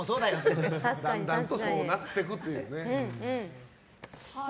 だんだんとそうなっていくというね。